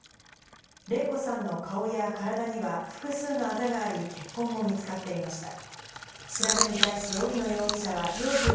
礼子さんの顔や体には、複数のあざがあり、血痕も見つかっていました。